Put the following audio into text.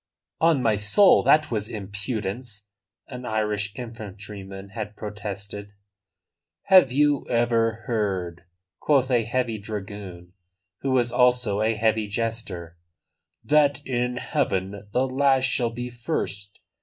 "On my soul, that was impudence!" an Irish infantryman had protested. "Have you ever heard," quoth a heavy dragoon, who was also a heavy jester, "that in heaven the last shall be first?